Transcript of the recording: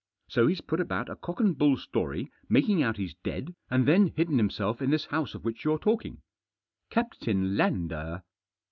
So he's put about a cock and bull story making out he's dead, and then hidden himself in this house of which you're talking." " Captain Lander